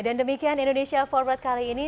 dan demikian indonesia forward kali ini